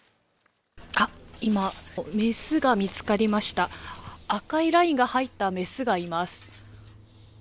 今メスが見つかりました赤いラインが入ったメスがいます